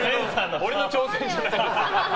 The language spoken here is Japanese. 俺の挑戦じゃないので。